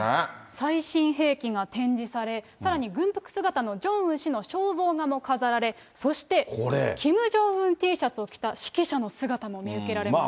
最新兵器が展示され、さらに軍服姿のジョンウン氏の肖像画も飾られ、そして、キム・ジョンウンＴシャツを着た指揮者の姿も見受けられました。